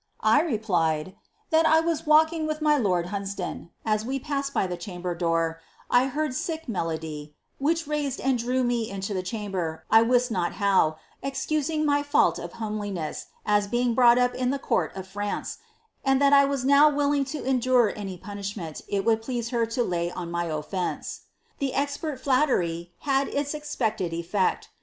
I replied, ' that as I was walking with nr lord Hunsdon, as we passed by the chamber door, I heard src melodj which raised and drew me into the chamber, 1 wist not how, excuii^ my fault of homeliness, as being brought up in the court of France, am thai I was now willing to endure any punishment it would please her t< lay on my offence.'" This expert flattery had its expecied effect.